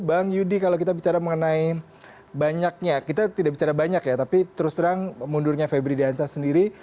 bang yudi kalau kita bicara mengenai banyaknya kita tidak bicara banyak ya tapi terus terang mundurnya febri dianca sendiri